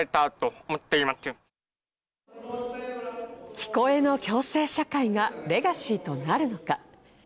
聞こえの共生社会がレガシーとなるのか。